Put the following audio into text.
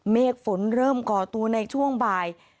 เมฆฝนเริ่มก่อตัวในช่วงบ่าย